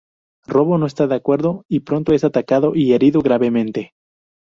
Robo no está de acuerdo, y pronto es atacado y herido gravemente.